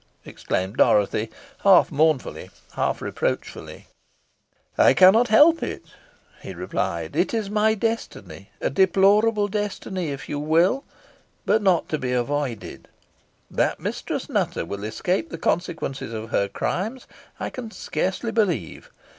exclaimed Dorothy, half mournfully, half reproachfully. "I cannot help it," he replied. "It is my destiny a deplorable destiny, if you will but not to be avoided. That Mistress Nutter will escape the consequences of her crimes, I can scarcely believe.